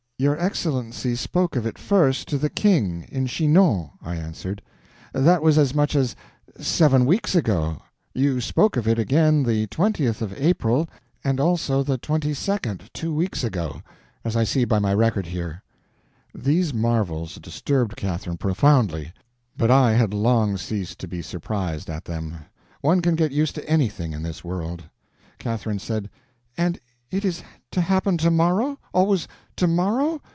"Your Excellency spoke of it first to the King, in Chinon," I answered; "that was as much as seven weeks ago. You spoke of it again the 20th of April, and also the 22d, two weeks ago, as I see by my record here." These marvels disturbed Catherine profoundly, but I had long ceased to be surprised at them. One can get used to anything in this world. Catherine said: "And it is to happen to morrow?—always to morrow?